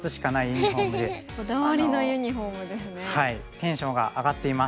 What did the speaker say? テンションが上がっています。